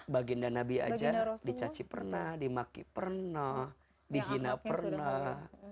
baginda nabi aja dicaci pernah dimaki pernah dihina pernah